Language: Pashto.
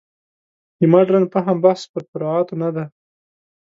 د مډرن فهم بحث پر فروعاتو نه دی.